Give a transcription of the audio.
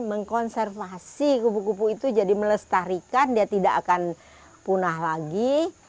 mengkonservasi kupu kupu itu jadi melestarikan dia tidak akan punah lagi